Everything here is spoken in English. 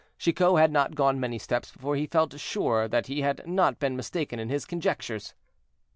Chicot had not gone many steps before he felt sure that he had not been mistaken in his conjectures.